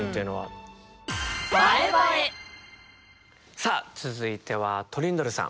さあ続いてはトリンドルさん。